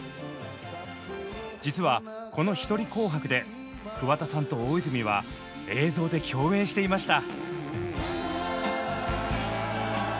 実はこの「ひとり紅白」で桑田さんと大泉は映像で共演していました。